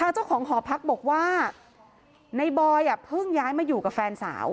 เจ้าของหอพักบอกว่าในบอยเพิ่งย้ายมาอยู่กับแฟนสาว